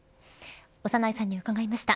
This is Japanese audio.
長内さんに伺いました。